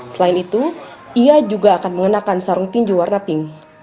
selain itu ia juga akan mengenakan sarung tinju warna pink